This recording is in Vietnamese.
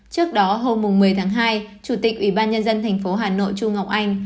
trước đó hôm một mươi tháng hai chủ tịch ủy ban nhân dân thành phố hà nội trung ngọc anh